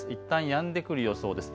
いったんやんでくる予想です。